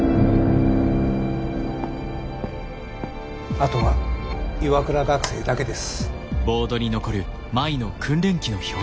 あとは岩倉学生だけです。